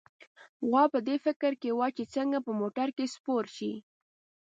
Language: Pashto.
غوا په دې فکر کې وه چې څنګه په موټر کې سپور شي.